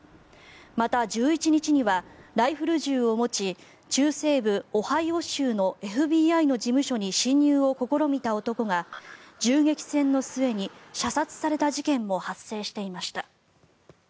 また、１１日にはライフル銃を持ち中西部オハイオ州のＦＢＩの事務所に侵入を試みた男が銃撃戦の末に射殺された事件も発生していました。